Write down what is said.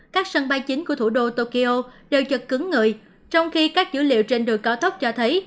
các sân bay chính của thủ đô tokyo đều chật cứng người trong khi các dữ liệu trên đường cao tốc cho thấy